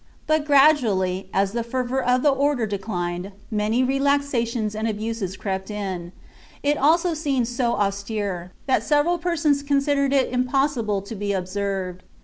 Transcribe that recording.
But gradually, as the fervour of the Order declined, many relaxations and abuses crept in : it also seemed so austere, that several persons considered it impossible to be ob served.